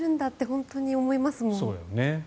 本当に思いますもん。